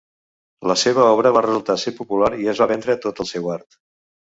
La seva obra va resultar ser popular i es va vendre tot el seu art.